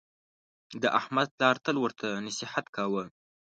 د احمد پلار تل ورته نصحت کاوه: